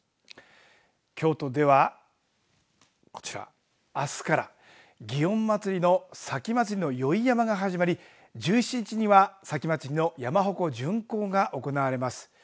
京都ではこちら、あすから祇園祭の前祭の宵山が始まり１７日には前祭の山鉾巡行が行われます。